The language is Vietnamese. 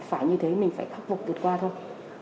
phải như thế mình phải khắc phục vượt qua thôi